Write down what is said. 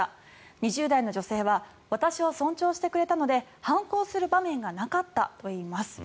２０代の女性は私を尊重してくれたので反抗する場面がなかったといいます。